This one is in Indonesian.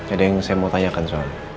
ada yang saya mau tanyakan soal